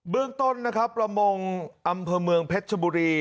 เบื้องต้นประมงอำเภาเมืองเพชรชบุรี